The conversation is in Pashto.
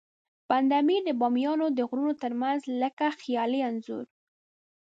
بند امیر د بامیانو د غرونو ترمنځ لکه خیالي انځور.